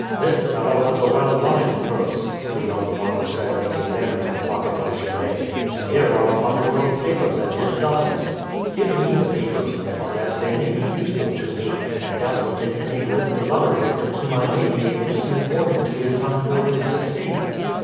"This fellow has a well lined purse," the young farmer said as he examined the pocket of Genet; "and here are a bundle of papers in his doublet." "Give me the papers," Ned said, "they may be useful to me, and doubtless they contain lists of other victims whom I may be able to send warning to in time for them to escape."